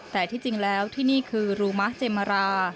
แต่ที่จริงแล้วที่นี่คือรูมะเจมรา